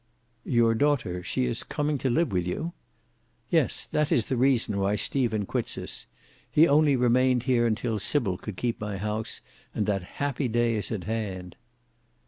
"Your daughter—she is coming to live with you?" "Yes; that is the reason why Stephen quits us. He only remained here until Sybil could keep my house, and that happy day is at hand."